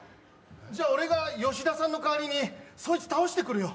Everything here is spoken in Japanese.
じゃ、俺が吉田さんの代わりにそいつ倒してくるよ。